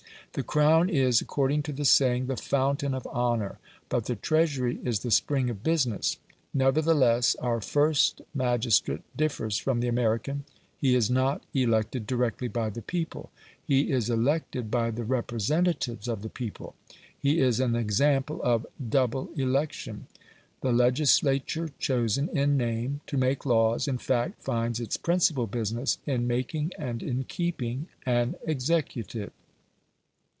The Crown is, according to the saying, the "fountain of honour"; but the Treasury is the spring of business. Nevertheless, our first magistrate differs from the American. He is not elected directly by the people; he is elected by the representatives of the people. He is an example of "double election". The legislature chosen, in name, to make laws, in fact finds its principal business in making and in keeping an executive.